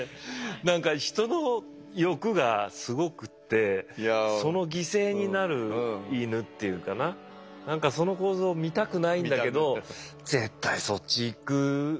何かヒトの欲がすごくってその犠牲になるイヌっていうかな何かその構造を見たくないんだけど絶対そっちいく一派はあるだろうな。